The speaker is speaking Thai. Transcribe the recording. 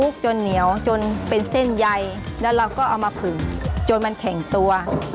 จนเหนียวจนเป็นเส้นใยแล้วเราก็เอามาผื่นจนมันแข็งตัว